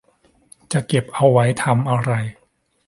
จะเก็บเอาไว้ทำอะไร